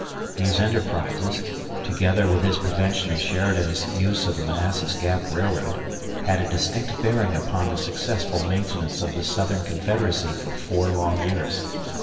These enterprises, together with his prevention of Sheridan's use of the Manassas Gap Railroad, had a distinct bearing upon the successful maintenance of the Southern Confederacy for four long years.